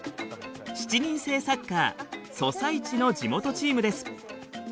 ７人制サッカーソサイチの地元チームです。